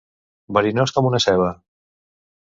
Verinós com una ceba.